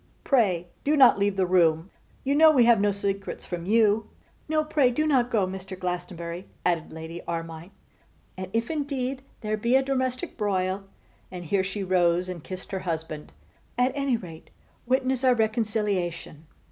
Pray, do not leave the room. You know we have no secrets from you.' 'No, pray do not go, Mr. Glastonbury,' added Lady Armine: 'and if indeed there be a domestic broil,' and here she rose and kissed her husband, 'at any rate witness our reconciliation.